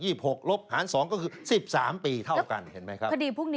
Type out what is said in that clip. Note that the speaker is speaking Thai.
คดีพรุ่งนี้จะมีอภัยเย็ดโทษมีลดโทษมากไปกว่านี้ไหมครับ